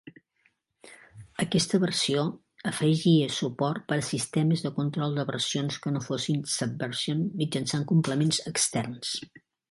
Aquesta versió afegia suport per a sistemes de control de versions que no fossin Subversion mitjançant complements externs.